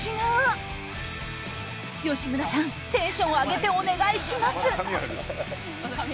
テンション上げてお願いします！